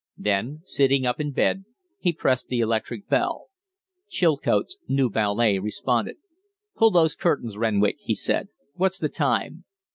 Then, sitting up in bed, he pressed the electric bell. Chilcote's new valet responded. "Pull those curtains, Renwick!" he said. "What's the time?"